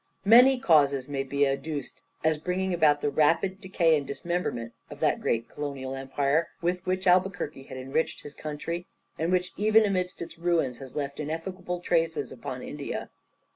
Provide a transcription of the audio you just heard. Many causes may be adduced as bringing about the rapid decay and dismemberment of that great colonial empire with which Albuquerque had enriched his country, and which even amidst its ruins has left ineffaceable traces upon India.